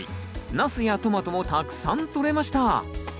ナスやトマトもたくさんとれました。